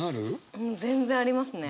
うん全然ありますね。